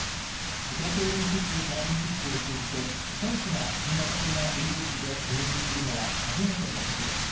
東京オリンピック・パラリンピックを通じて、選手が新型コロナウイルスで入院するのは初めてのことです。